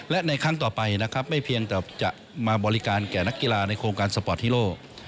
และในครั้งต่อไปนะครับไม่เพียงแต่จะมาบริการแก่นักกีฬาในโครงการสปอร์ตฮีโร่